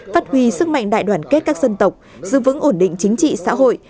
phát huy sức mạnh đại đoàn kết các dân tộc giữ vững ổn định chính trị xã hội